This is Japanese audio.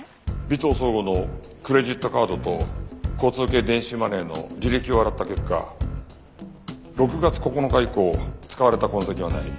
尾藤奏吾のクレジットカードと交通系電子マネーの履歴を洗った結果６月９日以降使われた痕跡はない。